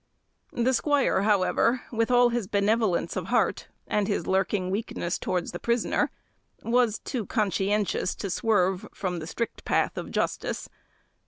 The squire, however, with all his benevolence of heart, and his lurking weakness towards the prisoner, was too conscientious to swerve from the strict path of justice.